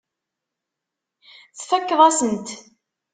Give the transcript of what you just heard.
Tfakkeḍ-asen-t.